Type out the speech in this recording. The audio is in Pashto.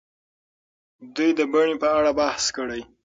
دوی د بڼې په اړه بحث کړی.